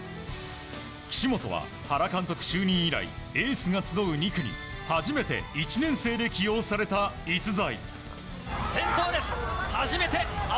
岸本は原監督就任以来エースが集う２区に初めて１年生で起用された逸材。